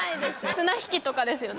綱引きとかですよね？